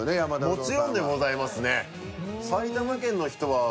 もちろんでございますね。